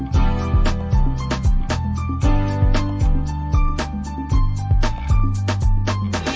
สวัสดีครับสวัสดีครับ